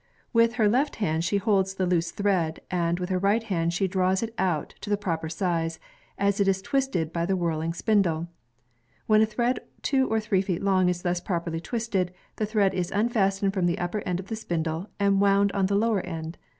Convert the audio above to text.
With her left hand she holds the loose thread, and with her right hand she draws it out to the proper size, as it is twisted by the whirhng spindle. When a thread two or three feet long is thus properly twisted, the thread is unfastened from the upper end of the spindle and wound on the lower end.